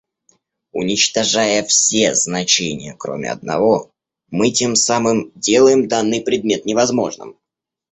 Уничтожая все значения, кроме одного, мы тем самым делаем данный предмет невозможным.